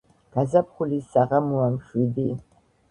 გაზაფხულის საღამოა მშვიდი